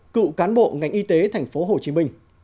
cựu cán bộ ngành y tế tp hcm